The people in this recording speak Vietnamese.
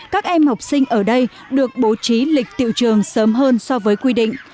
các em học sinh ở đây được bố trí lịch tiệu trường sớm hơn so với quy định